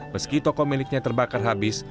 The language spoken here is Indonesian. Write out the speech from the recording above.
meski toko miliknya terbakar habis